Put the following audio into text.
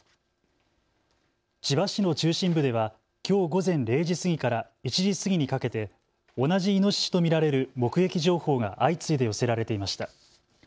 千葉市の中心部ではきょう午前０時過ぎから１時過ぎにかけて同じイノシシと見られる目撃情報が相次いで寄せられていました。